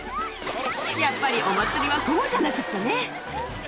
やっぱりお祭りはこうじゃなくっちゃね！